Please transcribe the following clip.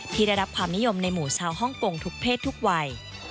ได้รับความนิยมในหมู่ชาวฮ่องกงทุกเพศทุกวัย